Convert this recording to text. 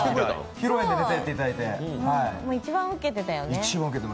一番ウケてたよね。